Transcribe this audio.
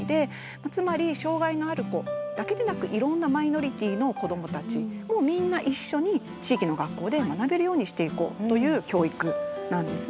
つまり障害のある子だけでなくいろんなマイノリティーの子どもたちもみんな一緒に地域の学校で学べるようにしていこうという教育なんですね。